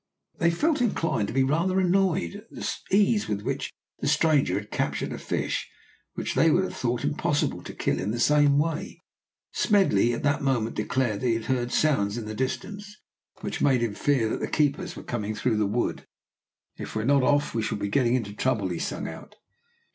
They felt inclined to be rather annoyed at the ease with which the stranger had captured a fish which they would have thought it impossible to kill in the same way. Smedley at that moment declared that he heard sounds in the distance, which made him fear that the keepers were coming through the wood. "If we are not off we shall be getting into trouble," he sung out.